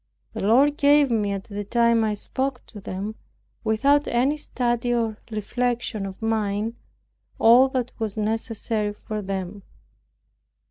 The Lord gave me, at the time I spoke to them (without any study or reflection of mine) all that was necessary for them.